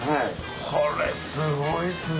これすごいっすね。